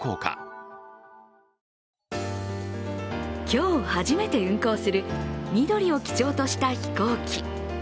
今日初めて運航する緑を基調とした飛行機。